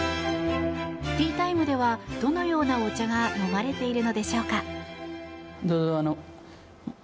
ティータイムではどのようなお茶が飲まれているのでしょうか。